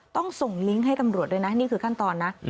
ต้องส่งลิงก์ให้ตำรวจด้วยนะนี่คือขั้นตอนนะ